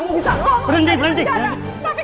kamu bisa ngomong tadi penjaga